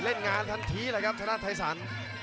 เล่นงานทันทีเลยครับชนะไทยสัน